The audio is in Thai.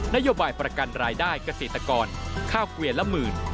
นโยบายประกันรายได้เกษตรกรข้าวเกวียนละหมื่น